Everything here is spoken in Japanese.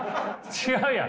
違うやん！